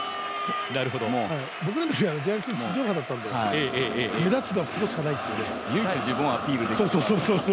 僕なんか、ジャイアンツ戦地上波だったんで目立つのはここしかないっていう唯一自分をアピールできる場。